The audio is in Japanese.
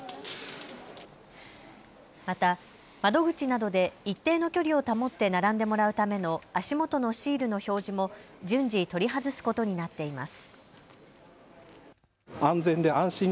また窓口などで一定の距離を保って並んでもらうための足元のシールの表示も順次、取り外すことになっています。